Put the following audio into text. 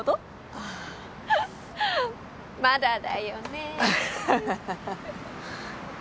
ああまだだよねははは